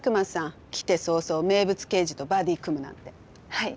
はい！